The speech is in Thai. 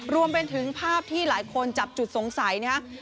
รวมถึงภาพที่หลายคนจับจุดสงสัยนะครับ